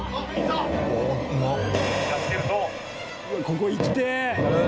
ここ行きてえ！